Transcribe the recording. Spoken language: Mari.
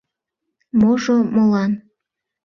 — Можо молан?